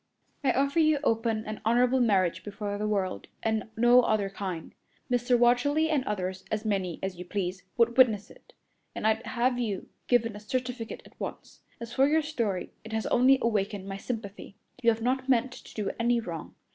"I offer you open and honorable marriage before the world, and no other kind. Mr. Watterly and others as many as you pleased would witness it, and I'd have you given a certificate at once. As for your story, it has only awakened my sympathy. You have not meant to do any wrong.